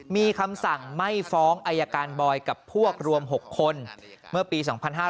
มีคำสั่งไม่ฟ้องอายการบอยกับพวกรวม๖คนเมื่อปี๒๕๕๙